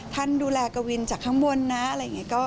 ท่านดูแลกวินจากข้างบนนะอะไรอย่างนี้